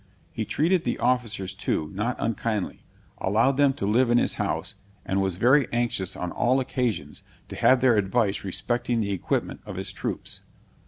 He treated the officers, too, not unkindly, allowed them to live in his house, and was very anxious on all occasions, to have their advice respecting the equipment of his troops.